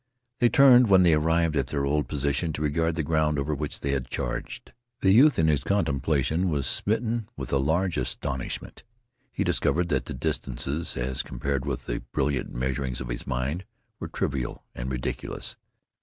They turned when they arrived at their old position to regard the ground over which they had charged. The youth in this contemplation was smitten with a large astonishment. He discovered that the distances, as compared with the brilliant measurings of his mind, were trivial and ridiculous.